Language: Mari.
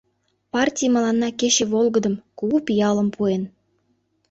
Партий мыланна кече волгыдым, кугу пиалым пуэн.